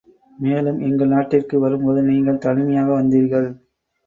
மேலும் எங்கள் நாட்டிற்கு வரும்போது நீங்கள் தனிமையாக வந்தீர்கள்.